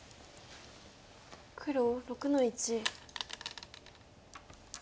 黒６の一。